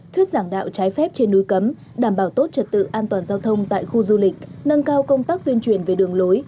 thuyết giảng đạo trái phép trên núi cấm đảm bảo tốt trật tự an toàn giao thông tại khu du lịch nâng cao công tác tuyên truyền về đường lối